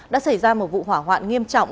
đã xảy ra một vụ hỏa hoạn nghiêm trọng